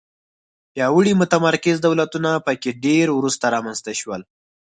پیاوړي متمرکز دولتونه په کې ډېر وروسته رامنځته شول.